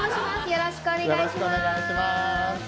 よろしくお願いします